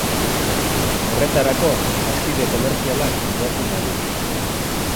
Horretarako, bazkide komertzialak bilatzen dabil.